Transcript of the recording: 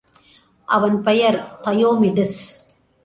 அவன் பெயர் தயோமிடிஸ்.